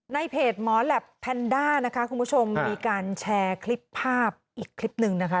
ในเพจหมอแหลปแพนด้านะคะคุณผู้ชมมีการแชร์คลิปภาพอีกคลิปหนึ่งนะคะ